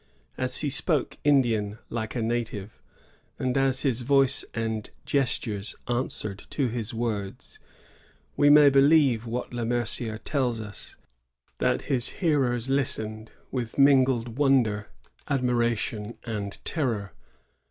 As he spoke Indian like a native, and as his voice and gestures answered to Ids words, we may believe what Le Mercier tells us, that his hearers listened with mingled wonder, admiration, and terror.